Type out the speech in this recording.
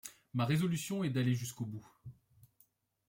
Ma résolution est d'aller jusqu'au bout.